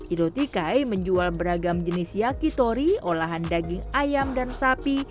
idotikai menjual beragam jenis yakitori olahan daging ayam dan sapi